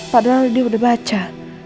padahal dia udah baca